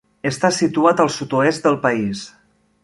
Està situat al sud-oest del país.